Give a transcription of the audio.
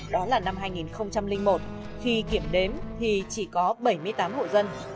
đó là năm hai nghìn một khi kiểm đếm thì chỉ có bảy mươi tám hộ dân